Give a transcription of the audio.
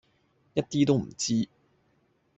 一啲都唔知